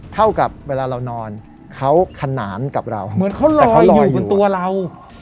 เท่ากับเวลาเรานอนเขาขนานกับเราเหมือนเขารอแต่เขาลอยอยู่บนตัวเรา